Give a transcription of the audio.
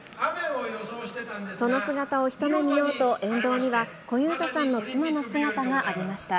その姿を一目見ようと、沿道には小遊三さんの妻の姿がありました。